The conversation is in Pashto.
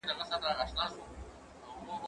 زه اوبه نه پاکوم؟